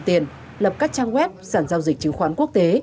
thủ đoạn này là lợi dụng tiền lập các trang web sản giao dịch chứng khoản quốc tế